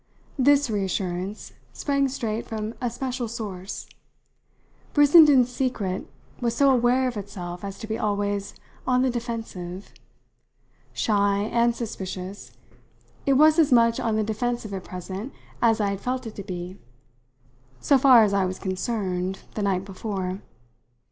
This reassurance sprang straight from a special source. Brissenden's secret was so aware of itself as to be always on the defensive. Shy and suspicious, it was as much on the defensive at present as I had felt it to be so far as I was concerned the night before.